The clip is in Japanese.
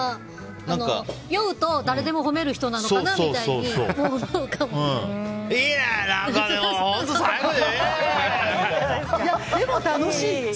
酔うと、誰でも褒める人なのかなみたいにいや、最高だよ！